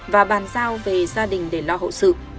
và bàn giao về gia đình để lo hậu sự